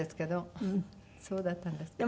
そうだったんですか。